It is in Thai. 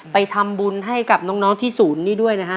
ไปทำบุญให้กับน้องที่ศูนย์นี้ด้วยนะฮะ